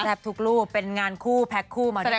แซ่บทุกรูปเป็นงานคู่แพ็คคู่มาด้วยกันเลย